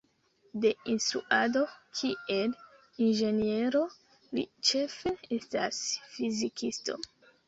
De instruado kiel inĝeniero, li ĉefe estas fizikisto.